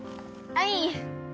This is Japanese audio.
はい。